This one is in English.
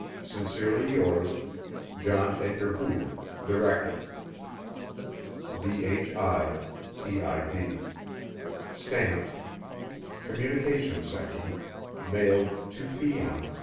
Sincerely yours, John Edgar Hoover Director BHI:pib [Stamped: COMMUNICATIONS SECTION MAILED 2 P.M.